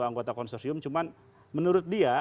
anggota konsorsium cuman menurut dia